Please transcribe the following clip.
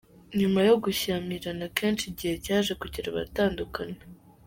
Nyuma yo gushyamirana kenshi igihe cyaje kugera baratandukana.